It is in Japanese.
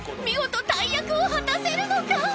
見事大役を果たせるのか！？］